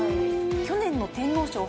去年の天皇賞。